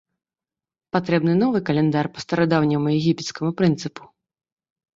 Патрэбны новы каляндар па старадаўняму егіпецкаму прынцыпу.